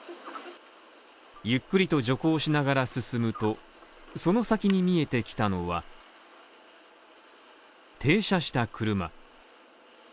ゆっくりと徐行しながら進むと、その先に見えてきたのは停車した車。